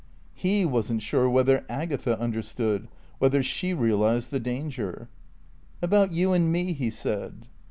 He wasn't sure whether Agatha understood, whether she realised the danger. "About you and me," he said.